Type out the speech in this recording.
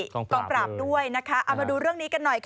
กองปราบด้วยนะคะเอามาดูเรื่องนี้กันหน่อยค่ะ